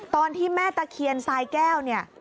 ตอนที่แม่ตะเคียนสายแก้วเนี่ย